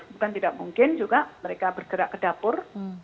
bukan tidak mungkin juga mereka bergerak ke dapur